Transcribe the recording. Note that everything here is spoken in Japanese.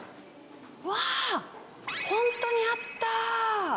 うわー、本当にあった！